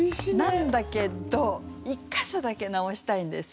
なんだけど１か所だけ直したいんですよ。